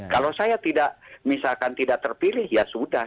kalau saya tidak misalkan tidak terpilih ya sudah